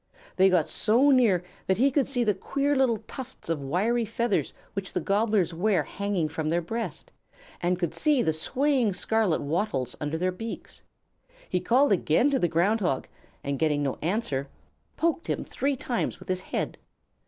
They got so near that he could see the queer little tufts of wiry feathers which the Gobblers wear hanging from their breast, and could see the swaying scarlet wattles under their beaks. He called again to the Ground Hog, and getting no answer, poked him three times with his head.